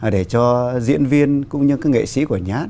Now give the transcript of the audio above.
để cho diễn viên cũng như các nghệ sĩ của nhát